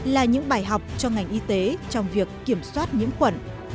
là những bài học cho ngành y tế trong việc kiểm soát nhiễm khuẩn